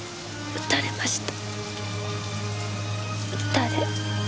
撃たれました。